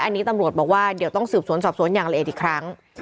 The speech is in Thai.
อันนี้ตำรวจบอกว่าเดี๋ยวต้องสืบสวนสอบสวนอย่างละเอียดอีกครั้ง